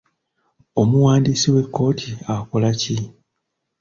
Omuwandiisi w'ekkooti akola ki?